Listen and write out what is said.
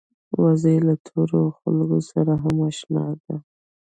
وزې له تورو خلکو سره هم اشنا ده